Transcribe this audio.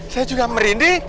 saya juga merinding